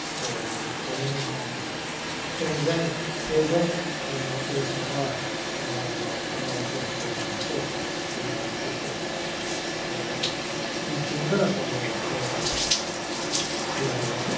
生前Ａさんは加賀乙彦さんと文通してて死んだらこの手紙をね